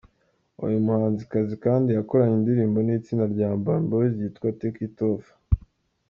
Uyu muhanzikazi kandi yakoranye indirimbo n’itsinda rya Urban Boyz yitwa “Take it off”.